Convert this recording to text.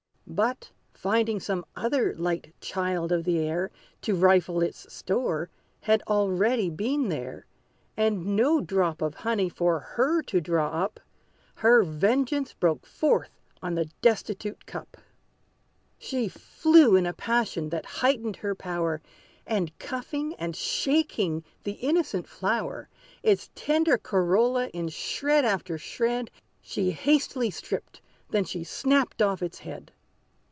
But, finding some other light child of the air To rifle its store, had already been there; And no drop of honey for her to draw up, Her vengeance broke forth on the destitute cup. She flew in a passion, that heightened her power; And cuffing, and shaking the innocent flower, Its tender corolla in shred after shred She hastily stripped; then she snapped off its head.